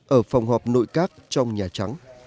ở phòng họp nội các trong nhà trắng